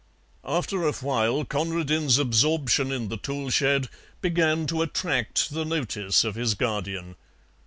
After a while Conradin's absorption in the tool shed began to attract the notice of his guardian.